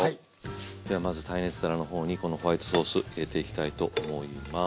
ではまず耐熱皿の方にこのホワイトソース入れていきたいと思います。